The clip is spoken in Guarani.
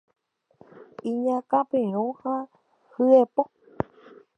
Iñakãperõ ha hyepo